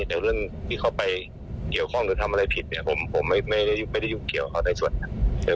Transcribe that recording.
แต่ว่าเปลี่ยนเค้าไปเกี่ยวข้องหรือทำยังไงผิดไม่ได้ยุ่งเกี่ยวกับเค้าในส่วนนั้น